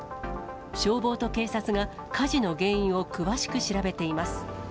消防と警察が火事の原因を詳しく調べています。